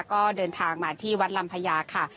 ก็เดินทางมาที่วัดลำพญาค่ะ